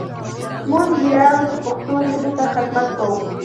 موږ وياړو چې پښتو ژبې ته خدمت کوو!